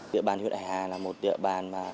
địa bàn huyện hải hà là một địa bàn